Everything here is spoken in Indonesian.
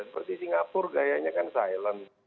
seperti singapura gayanya kan silent